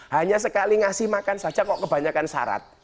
hanya sekali ngasih makan saja kok kebanyakan syarat